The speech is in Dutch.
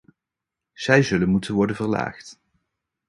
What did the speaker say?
Zij zullen moeten worden verlaagd.